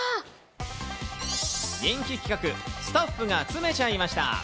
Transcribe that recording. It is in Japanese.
人気企画、スタッフが詰めちゃいました！